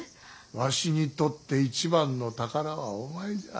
わしにとって一番の宝はお前じゃ。